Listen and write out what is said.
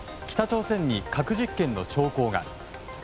北朝鮮に核実験の兆候が。